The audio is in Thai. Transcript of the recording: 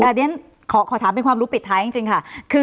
แต่เรียนขอถามเป็นความรู้ปิดท้ายจริงค่ะ